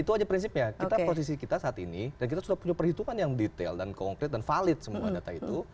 itu aja prinsipnya posisi kita saat ini dan kita sudah punya perhitungan yang detail dan konkret dan valid semua data itu